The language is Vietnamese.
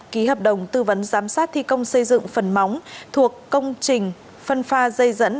ký hợp đồng tư vấn giám sát thi công xây dựng phần móng thuộc công trình phân pha dây dẫn